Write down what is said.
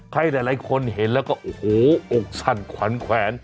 ใครหลายคนเห็นแล้วก็โอ้โหอกสั่นขวัญแขวน